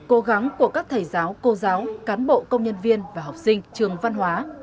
cố gắng của các thầy giáo cô giáo cán bộ công nhân viên và học sinh trường văn hóa